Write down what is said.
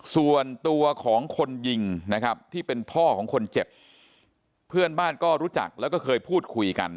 ส่วนตัวของคนยิงนะครับที่เป็นพ่อของคนเจ็บเพื่อนบ้านก็รู้จักแล้วก็เคยพูดคุยกัน